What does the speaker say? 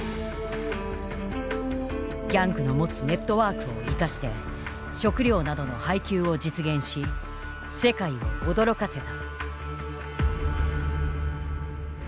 ギャングの持つネットワークを生かして食糧などの配給を実現し世界を驚かせた。